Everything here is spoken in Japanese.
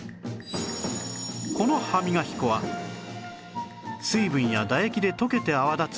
この歯磨き粉は水分や唾液で溶けて泡立つ